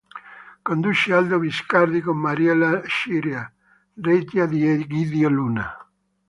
Conduce Aldo Biscardi con Mariella Scirea, regia di Egidio Luna.